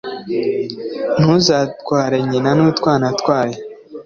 ntuzatware nyina n’utwana twayo.